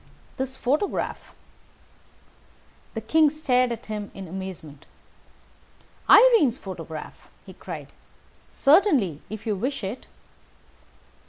"This photograph!" The King stared at him in amazement. "Irene's photograph!" he cried. "Certainly, if you wish it."